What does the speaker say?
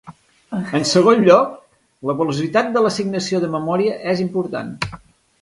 En segon lloc, la velocitat de l’assignació de memòria és important.